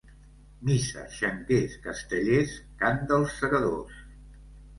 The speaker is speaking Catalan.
Missa, xanquers, castellers, cant dels segadors.